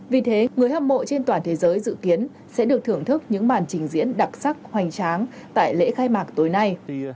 vì thế người hâm mộ trên toàn thế giới dự kiến sẽ được thưởng thức những màn trình diễn đặc sắc hoành tráng tại lễ khai mạc tối nay